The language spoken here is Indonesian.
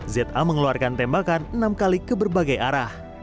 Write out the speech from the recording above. za mengeluarkan tembakan enam kali ke berbagai arah